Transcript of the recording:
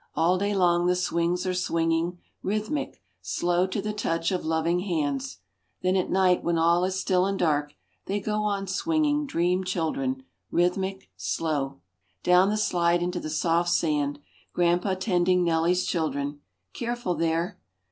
All day long the swings are swinging, rhythmic, slow to the touch of loving hands. Then at night when all is still and dark, they go on swinging dream children, rhythmic, slow. Down the slide into the soft sand. Grandpa tending Nellie's children: "Careful there."